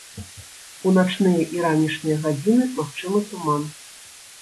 У начныя і ранішнія гадзіны магчымы туман.